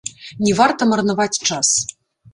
Не варта марнаваць час.